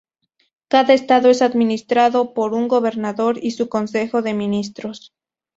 Cada estado es administrado por un gobernador y su Consejo de Ministros.